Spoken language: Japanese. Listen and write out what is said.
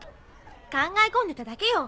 考え込んでただけよ。